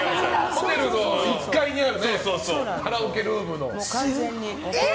ホテルの１階にあるカラオケルームの。